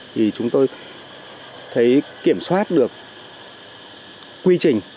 thì chúng tôi thấy kiểm soát được quy trình